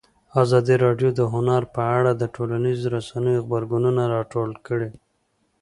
ازادي راډیو د هنر په اړه د ټولنیزو رسنیو غبرګونونه راټول کړي.